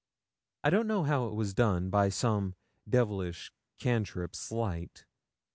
I don't know how it was done by some 'devilish cantrip slight.'